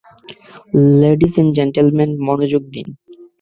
Ladies and gentlemen, মনোযোগ দিন।